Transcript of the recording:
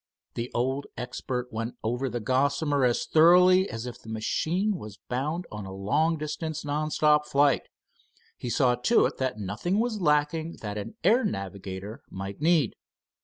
The old expert went over the Gossamer as thoroughly as if the machine was bound on a long distance non stop flight. He saw to it that nothing was lacking that an air navigator might need.